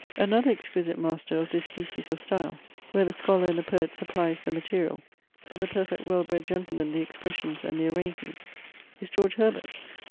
Another exquisite master of this species of style, where the scholar and the poet supplies the material, but the perfect well bred gentleman the expressions and the arrangement, is George Herbert.